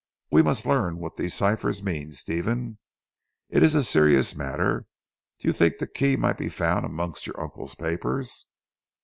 We must learn what these ciphers mean Stephen. It is a serious matter. Do you think the key might be found amongst your uncle's papers?"